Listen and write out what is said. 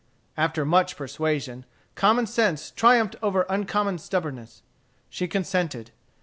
After much persuasion, common sense triumphed over uncommon stubbornness. She consented.